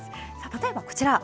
例えば、こちら。